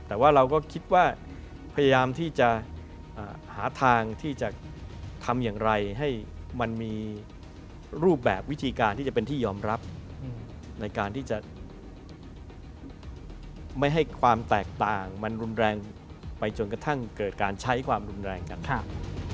แต่ว่าเราก็คิดว่าพยายามที่จะหาทางที่จะทำอย่างไรให้มันมีรูปแบบวิธีการที่จะเป็นที่ยอมรับในการที่จะไม่ให้ความแตกต่างมันรุนแรงไปจนกระทั่งเกิดการใช้ความรุนแรงกัน